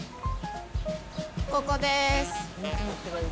ここです。